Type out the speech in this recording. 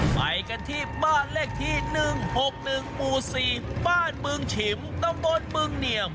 ไปกันที่บ้านเลขที่๑๖๑หมู่๔บ้านเบื้องชิมต้องบนเบื้องเหนียม